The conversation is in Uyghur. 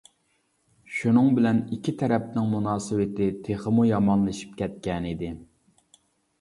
شۇنىڭ بىلەن ئىككى تەرەپنىڭ مۇناسىۋىتى تېخىمۇ يامانلىشىپ كەتكەنىدى.